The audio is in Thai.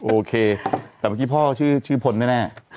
โอเคแต่เมื่อกี้พ่อชื่อพลแน่